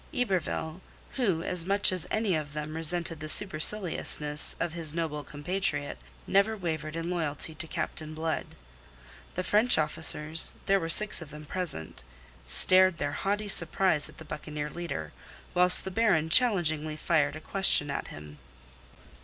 Yberville, who as much as any of them resented the superciliousness of his noble compatriot, never wavered in loyalty to Captain Blood. The French officers there were six of them present stared their haughty surprise at the buccaneer leader, whilst the Baron challengingly fired a question at him.